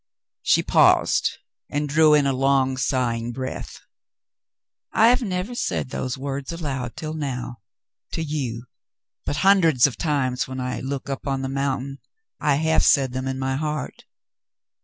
She paused and drew in a long, sighing breath. "I have never said those words aloud until now, to you, but hundreds of times when I look up on the mountain I have said them in my heart.